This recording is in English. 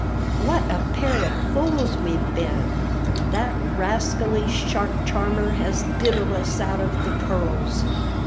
what a pair of fools we've been. That rascally shark charmer has diddled us out of the pearls."